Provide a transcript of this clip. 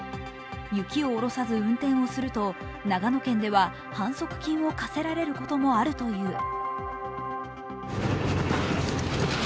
雪を下ろさず運転をすると、長野県では反則金を科せられることもあるという。